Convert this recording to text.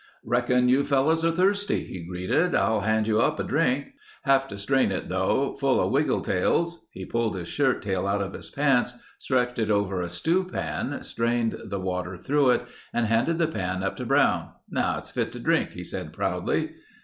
"Reckon you fellows are thirsty," he greeted. "I'll hand you up a drink. Have to strain it though. Full of wiggletails." He pulled his shirt tail out of his pants, stretched it over a stew pan, strained the water through it and handed the pan up to Brown. "Now it's fit to drink," he said proudly.